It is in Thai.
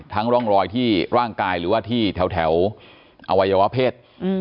ร่องรอยที่ร่างกายหรือว่าที่แถวอวัยวะเพศ